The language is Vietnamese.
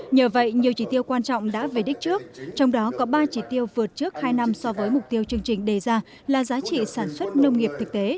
nhờ vậy nhiều chỉ tiêu quan trọng đã về đích trước trong đó có ba chỉ tiêu vượt trước hai năm so với mục tiêu chương trình đề ra là giá trị sản xuất nông nghiệp thực tế